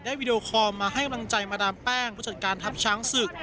วีดีโอคอลมาให้กำลังใจมาดามแป้งผู้จัดการทัพช้างศึก